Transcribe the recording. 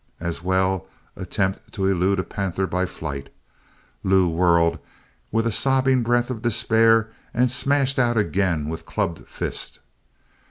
As well attempt to elude a panther by flight! Lew whirled with a sobbing breath of despair and smashed out again with clubbed fist.